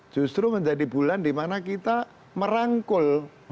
justru menjadi bulan dimana kita merangkul